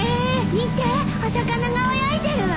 見てお魚が泳いでるわ。